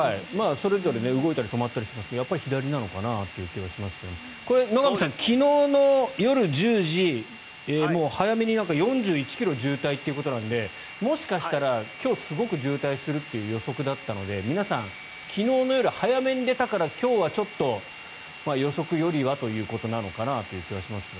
それぞれ動いたり止まったりしてますが左なのかなという気がしますが野上さん、昨日の夜１０時もう早めに４１ｋｍ渋滞ということなのでもしかしたら今日すごく渋滞するという予測だったので皆さん、昨日の夜早めに出たから今日はちょっと予測よりはということなのかもしれませんが。